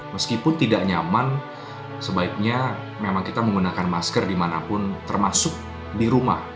meskipun tidak nyaman sebaiknya memang kita menggunakan masker dimanapun termasuk di rumah